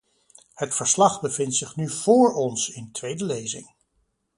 Het verslag bevindt zich nu vóór ons in tweede lezing.